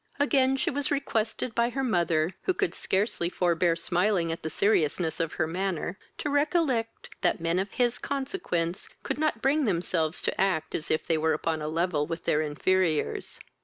Again she was requested by her mother, who could scarcely forbear smiling at the seriousness of her manner, to recollect that men of his consequence could not bring themselves to act as if they were upon a level with their inferiors.